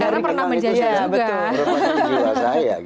dara pernah menjajah juga